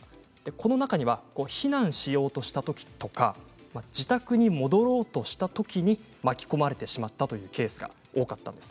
この中には避難しようとしたときや自宅に戻ろうとしたときに巻き込まれてしまったというケースが多かったんです。